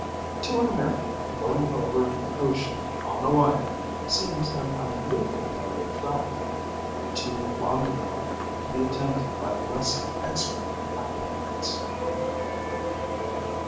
To an American, going over the ocean "on a wire" seems an unusual mode of travelling, and too Blondin like to be attempted by less expert acrobats.